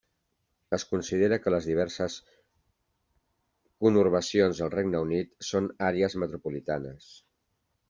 Es considera que les diverses conurbacions al Regne Unit són àrees metropolitanes.